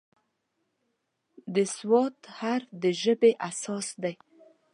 د "ص" حرف د ژبې اساس دی.